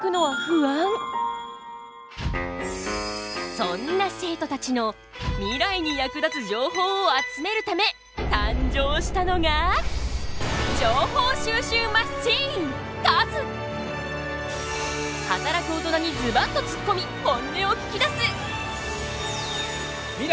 そんな生徒たちのミライに役立つ情報を集めるため誕生したのが働く大人にズバッとつっこみ本音を聞きだす！